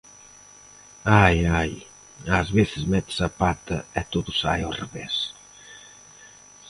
Ai, ai, ás veces metes a pata e todo sae ao revés.